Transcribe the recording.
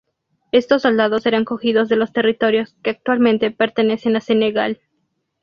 Estos soldados eran cogidos de los territorios que actualmente pertenecen a Senegal.